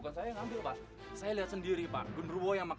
kasih lo hubungannya dengan gendruwo itu anak